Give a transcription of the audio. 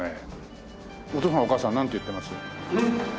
お父さんお母さんはなんて言ってます？